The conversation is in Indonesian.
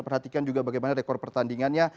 perhatikan juga bagaimana rekor pertandingannya